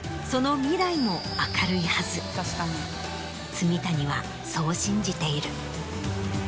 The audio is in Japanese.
住谷はそう信じている。